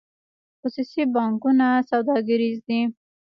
خصوصي بانکونه سوداګریز دي